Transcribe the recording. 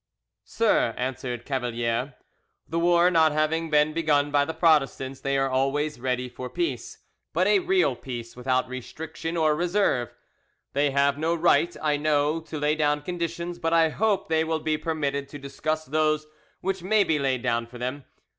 "Sir," answered Cavalier, "the war not having been begun by the Protestants, they are always ready for peace—but a real peace, without restriction or reserve. They have no right, I know, to lay down conditions, but I hope they will be permitted to discuss those which may be laid down for them.